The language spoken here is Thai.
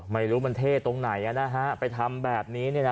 ไม่รู้มันเท่ตรงไหนนะฮะไปทำแบบนี้เนี่ยนะค่ะ